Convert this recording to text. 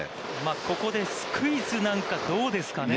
ここでスクイズなんかはどうですかね。